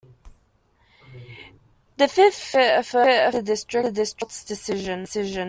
The Fifth Circuit affirmed the district court's decision.